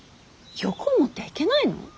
欲を持ってはいけないの？